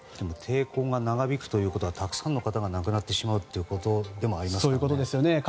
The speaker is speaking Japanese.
抵抗が長引くということはたくさんの方が亡くなってしまうということでもありますよね。